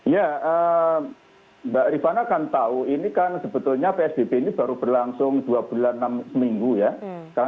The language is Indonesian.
ya mbak rifana kan tahu ini kan sebetulnya psbb ini baru berlangsung dua bulan enam seminggu ya